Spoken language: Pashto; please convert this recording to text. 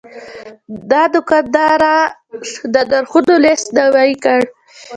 دا دوکاندار د نرخونو لیست نوي کړ.